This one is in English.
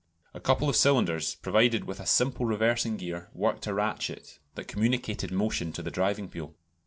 A couple of cylinders, provided with a simple reversing gear, worked a ratchet that communicated motion to the driving wheel.